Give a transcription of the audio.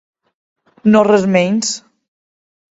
No res menys.